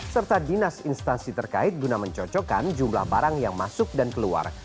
serta dinas instansi terkait guna mencocokkan jumlah barang yang masuk dan keluar